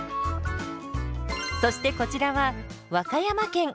そしてこちらは和歌山県。